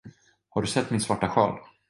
Har du sett min svarta sjal?